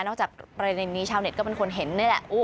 นอกจากในนี้ชาวเน็ตก็เป็นคนเห็นเนี่ยแหละ